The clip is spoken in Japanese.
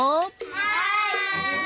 はい！